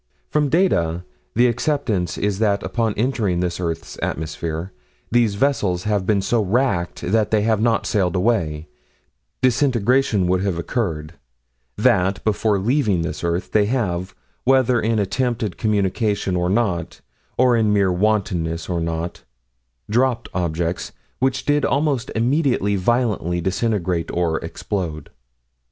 From data, the acceptance is that upon entering this earth's atmosphere, these vessels have been so racked that had they not sailed away, disintegration would have occurred: that, before leaving this earth, they have, whether in attempted communication or not, or in mere wantonness or not, dropped objects, which did almost immediately violently disintegrate or explode.